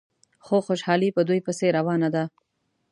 خو خوشحالي په دوی پسې روانه ده.